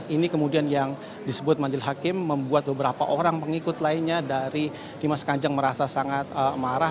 ini kemudian yang disebut majelis hakim membuat beberapa orang pengikut lainnya dari dimas kanjeng merasa sangat marah